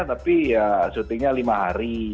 tapi ya syutingnya lima hari